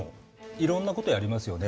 いろんなことやりますよね。